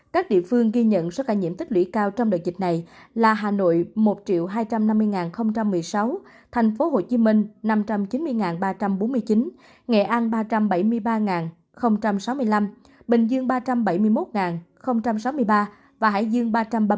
các địa phương ghi nhận số ca nhiễm tích lũy cao trong đợt dịch này là hà nội một hai trăm năm mươi một mươi sáu thành phố hồ chí minh năm trăm chín mươi ba trăm bốn mươi chín nghệ an ba trăm bảy mươi ba sáu mươi năm bình dương ba trăm bảy mươi một sáu mươi ba và hải dương ba trăm ba mươi bốn hai trăm tám mươi năm